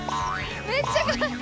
めっちゃかわいい。